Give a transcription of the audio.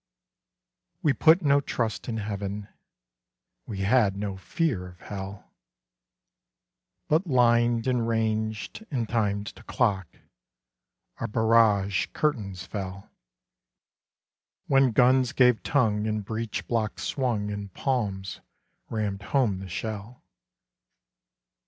_ We put no trust in heaven, We had no fear of hell; But lined, and ranged, and timed to clock, Our barrage curtains fell, When guns gave tongue and breech blocks swung And palms rammed home the shell.